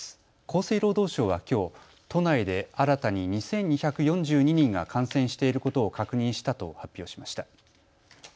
厚生労働省はきょう都内で新たに２２４２人が感染していることを確認したと発表しました。